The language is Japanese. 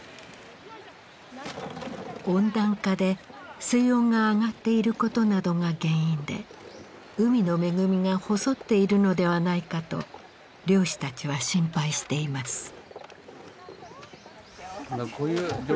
温暖化で水温が上がっていることなどが原因で海の恵みが細っているのではないかと漁師たちは心配しています。